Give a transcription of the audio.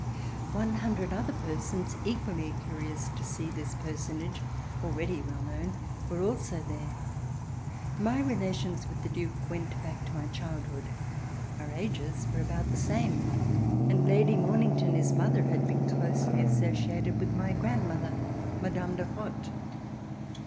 One hundred other persons, equally curious to see this personage, already well known, were also there. My relations with the Duke went back to my child hood. Our ages were about the same, and Lady Mornington, his mother, had been closely associated with my grandmother, Madame de Rothe.